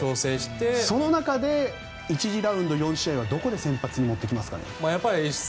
その中で、１次ラウンド４試合はどこに先発持ってきますかね。